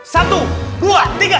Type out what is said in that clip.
satu dua tiga